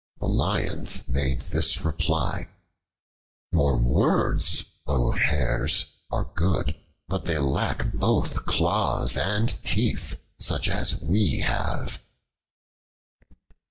The Lions made this reply: "Your words, O Hares! are good; but they lack both claws and teeth such as we have."